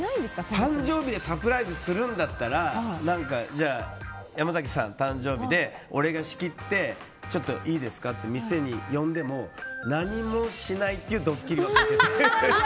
誕生日でサプライズするんだったら山崎さん誕生日で俺が仕切ってちょっといいですかって店に呼んでも何もしないっていうドッキリはうわ、嫌だ！